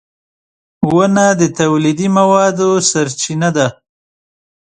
• ونه د تولیدي موادو سرچینه ده.